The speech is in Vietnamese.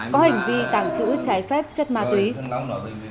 có hành vi tàng trữ trái phép chất ma túy